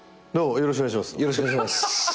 よろしくお願いします。